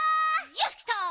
よしきた！